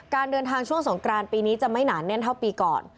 การเดินทางช่วงสงกรานปีนี้จะไม่หนาแน่นเท่าปีก่อน